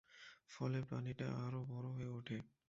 ফলে, প্রাণীটা আরও বড় হয়ে ওঠে।